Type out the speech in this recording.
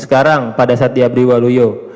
sekarang pada saat di abdi waluyu